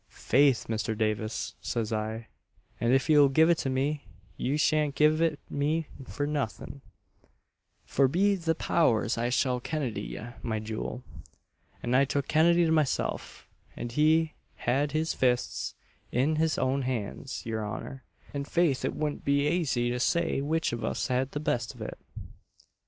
Faith, Mr. Davis, says I, and if ye will give it to me, ye sha'n't give it me for nothin, for be th' powers I shall Kennedy ye, my jewel; and I took Kennedy to myself, and he had his fists in his own hands, y'r honour, and faith it wouldn't be aisy to say which of us had the best of it," &c.